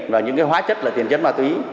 và những cái hóa chất là tiền chất ma túy